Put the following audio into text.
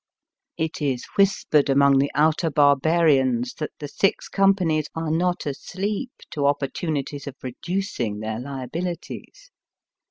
171 It is whispered among the outer barbarians that the Six Companies are not asleep to opportunities of reducing their liabilities.